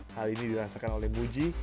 hal ini dirasakan oleh muji